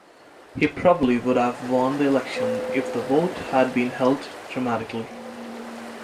He probably would have won the election if the vote had been held democratically.